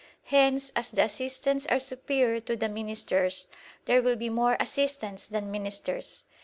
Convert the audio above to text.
Hence, as the assistants are superior to the ministers there will be more assistants than ministers.